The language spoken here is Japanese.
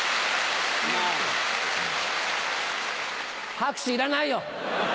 拍手いらないよ！